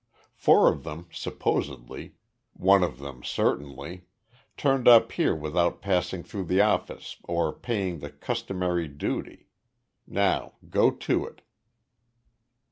Four of them, supposedly one of them, certainly turned up here without passing through the office or paying the customary duty. Now go to it!"